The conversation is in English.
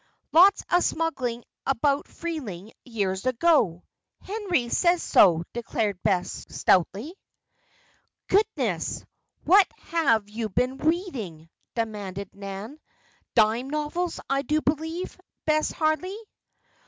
"Lots of smuggling about Freeling years ago. Henry says so," declared Bess, stoutly. "Goodness! what have you been reading?" demanded Nan. "Dime novels, I do believe, Bess Harley!"